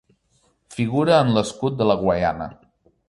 Figura en l'escut de la Guaiana.